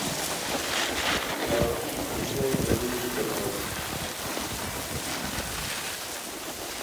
پیاوەتی کردووە و دەبێ بیدەمەوە